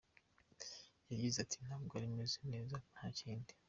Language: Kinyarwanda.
Yagize ati “Ntabwo nari meze neza nta kindi.